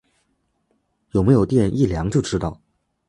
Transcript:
有没有电一量就知道